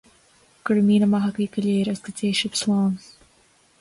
Go raibh míle maith agaibh go léir, agus go dté sibh slán